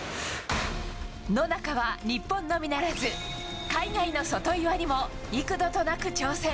野中は日本のみならず海外の外岩にも幾度となく挑戦。